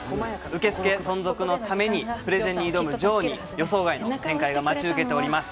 受付存続のためにプレゼンに挑むジョーに予想外の展開が待ち受けています。